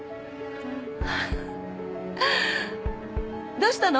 ・どうしたの？